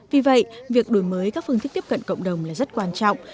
vì vậy việc đổi mới các phương thức tiếp cận cộng đồng là rất quan trọng